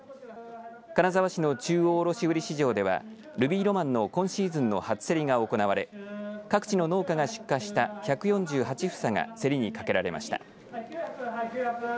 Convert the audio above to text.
金沢市の中央卸売市場ではルビーロマンの今シーズンの初競りが行われ各地の農家が出荷した１４８房が競りにかけられました。